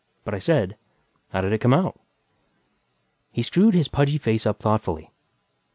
But I said, "How did it come out?" He screwed his pudgy face up thoughtfully.